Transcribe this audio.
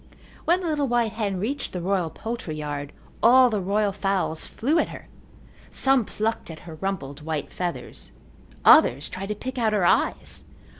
When the little white hen reached the royal poultry yard all the royal fowls flew at her. Some plucked at her rumpled white feathers. Others tried to pick out her eyes.